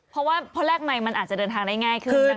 เพราะว่าพอแรกใหม่มันอาจจะเดินทางได้ง่ายขึ้น